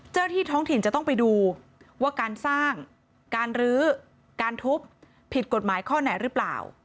ที่ท้องถิ่นจะต้องไปดูว่าการสร้างการรื้อการทุบผิดกฎหมายข้อไหนหรือเปล่า